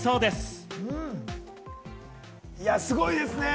いや、すごいですね。